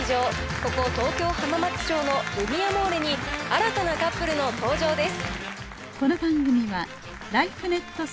ここ東京・浜松町のルミアモーレに新たなカップルの登場です。